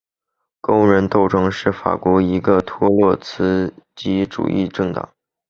工人斗争是法国的一个托洛茨基主义政党。